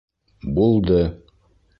— Булды!